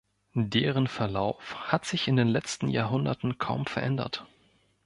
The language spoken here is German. Deren Verlauf hat sich in den letzten Jahrhunderten kaum verändert.